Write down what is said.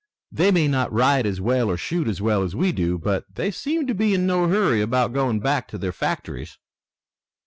"They may not ride as well or shoot as well as we do, but they seem to be in no hurry about going back to their factories."